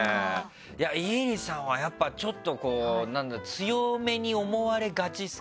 家入さんはやっぱちょっとこう強めに思われがちですか？